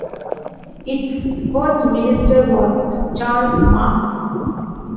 Its first minister was Charles Marx.